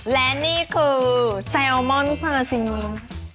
และนี่คือแซลมอนซาซิมิ